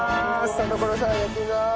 田所さんやってみます。